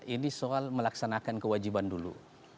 ini soal melaksanakan kewajiban dulu